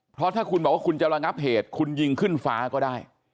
เพราะถ้าคุณบอกว่าคุณจะระงับเหตุคุณยิงขึ้นฟ้าก็ได้